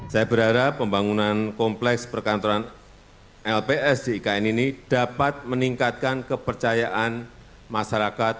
saya berharap pembangunan kompleks perkantoran lps di ikn ini dapat meningkatkan kepercayaan masyarakat